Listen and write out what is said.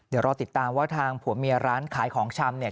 เดี๋ยวรอติดตามว่าทางผัวเมียร้านขายของชำเนี่ย